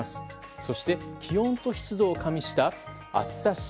そして、気温と湿度を加味した暑さ指数